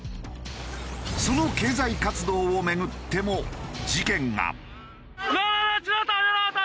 その経済活動を巡っても事件が。